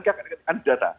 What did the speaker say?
kan ada data